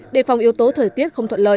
đề phòng yếu tố thời tiết không thuận lợi